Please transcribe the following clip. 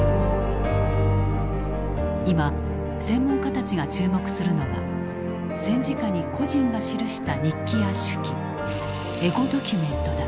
今専門家たちが注目するのが戦時下に個人が記した日記や手記エゴドキュメントだ。